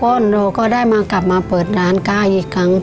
หนูก็ได้มากลับมาเปิดร้านก้าอีกครั้ง